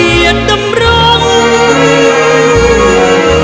ไม่เร่รวนภาวะผวังคิดกังคัน